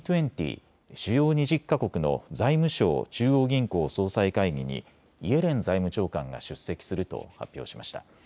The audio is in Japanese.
主要２０か国の財務相・中央銀行総裁会議にイエレン財務長官が出席すると発表しました。